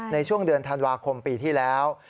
ในช่วงเดือนธันวาคมปีที่แล้ว